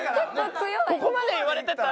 ここまで言われてたら。